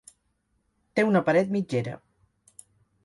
Té una paret mitgera.